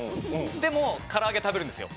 でも、から揚げ食べるんですよ。